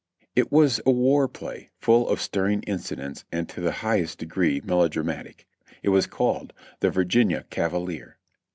It was a war play, full of stirring incidents and to the highest degree melodramatic. It was called "The Virginia Cavalier."